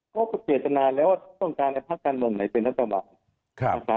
เขาก็เคลียรตนานแล้วว่าต้องการในภักดิ์การบรรยายไหนเป็นนักระบาล